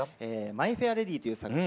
「マイ・フェア・レディ」という作品で。